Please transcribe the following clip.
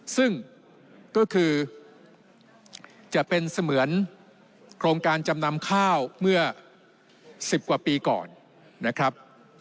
ซึ่งก็คือจะเป็นเสมือนโครงการจำนำข้าวเมื่อ๑๐กว่าปีก่อนนะครับ